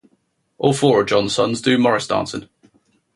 All four of John's sons do morris dancing.